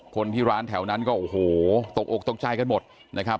คนที่ร้านแถวนั้นก็โอ้โหตกอกตกใจกันหมดนะครับ